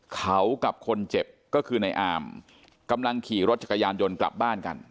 เขากับคนเจ็บก็คือในอามกำลังขี่รถจักรยานยนต์กลับบ้านกัน